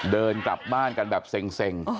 เดินกลับบ้านกันแบบเซ็ง